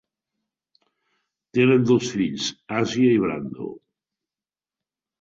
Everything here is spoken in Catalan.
Tenen dos fills, Asia i Brando.